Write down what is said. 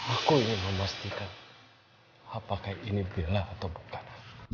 aku ingin memastikan apakah ini bela atau bukan